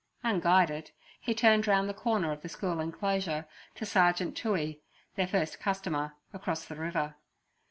Unguided, he turned round the corner of the school enclosure, to Sergeant Toohey, their first customer, across the river.